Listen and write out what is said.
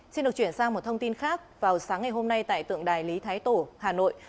xin được chuyển sang một thông tin khác vào sáng ngày hôm nay tại tượng đài lý thái tổ hà nội